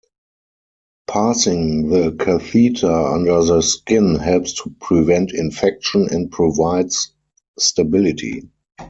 Passing the catheter under the skin helps to prevent infection and provides stability.